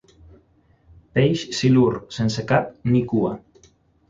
Peix silur sense cap ni cua.